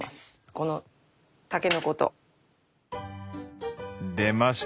このたけのこと。出ました！